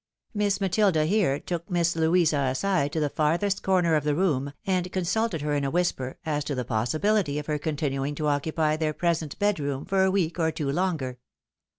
Miss Matilda here took Miss Louisa aside to the farthest corner of the room, and consulted her in a whisper, as to the possibiHty of her continuing to occupy their present bedroom for a week or two longer.